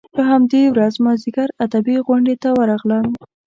په همدې ورځ مازیګر ادبي غونډې ته ورغلم.